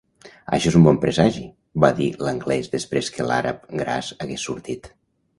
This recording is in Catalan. "Això és un bon presagi" va dir l'anglès després que l'àrab gras hagués sortit.